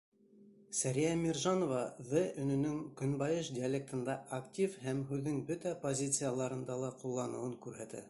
Сәриә Миржанова ҙ өнөнөң көнбайыш диалектында актив һәм һүҙҙең бөтә позицияларында ла ҡулланыуын күрһәтә.